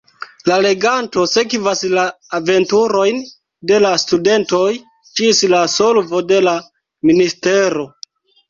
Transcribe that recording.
La leganto sekvas la aventurojn de la studentoj ĝis la solvo de la mistero.